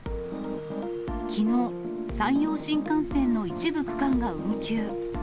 きのう、山陽新幹線の一部区間が運休。